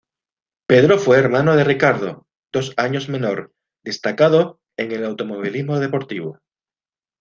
Pedro fue hermano de Ricardo, dos años menor, destacado en el automovilismo deportivo.